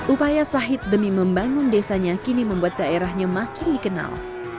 upaya sahid demi membangun desanya kini membuat daerahnya makin dikenal